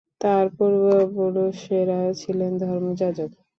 তার পূর্বপুরুষেরা ছিলেন ধর্মযাজক।